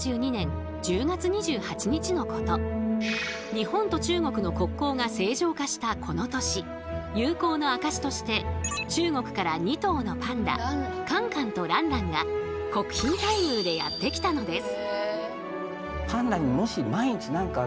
日本と中国の国交が正常化したこの年友好の証しとして中国から２頭のパンダカンカンとランランが国賓待遇でやって来たのです。